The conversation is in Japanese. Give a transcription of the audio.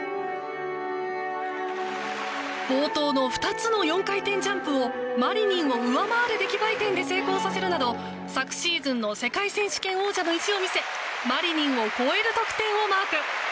冒頭の２つの４回転ジャンプをマリニンを上回る出来栄え点で成功させるなど昨シーズンの世界選手権王者の意地を見せマリニンを超える得点をマーク。